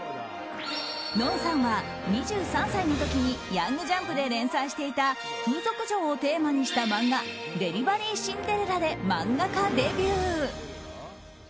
ＮＯＮさんは２３歳の時に「ヤングジャンプ」で連載していた風俗嬢をテーマにした漫画「デリバリーシンデレラ」で漫画家デビュー。